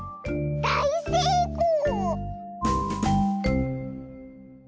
だいせいこう！